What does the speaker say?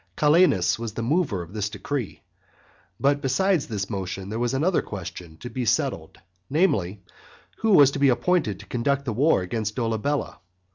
Calenus was the mover of this decree. But besides this motion there was another question to be settled namely, who was to be appointed to conduct the war against Dolabella.